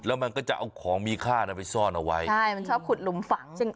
แล้วมันก็จะเอาของมีค่าน่ะไปซ่อนเอาไว้ใช่มันชอบขุดหลุมฝังใช่ไหม